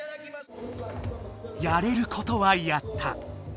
やれることはやった。